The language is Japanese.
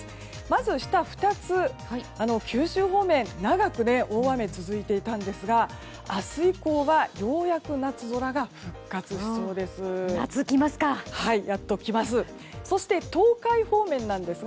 まず、下２つ九州方面、長く大雨が続いていたんですが明日以降はようやく夏空が復活しそうです。